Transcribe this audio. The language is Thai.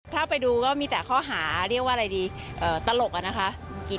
ถ้าไปดูก็มีแต่ข้อหาเรียกว่าอะไรดีตลกอะนะคะ